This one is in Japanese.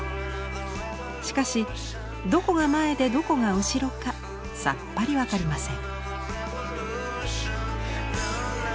しかしどこが前でどこが後ろかさっぱり分かりません。